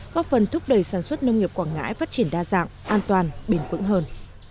góp phần thúc đẩy sản xuất nông nghiệp quảng ngãi phát triển đa dạng an toàn bền vững hơn